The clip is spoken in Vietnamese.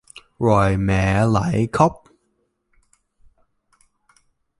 Rồi mẹ lại khóc